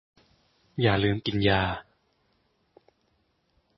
อย่าลืมกินยา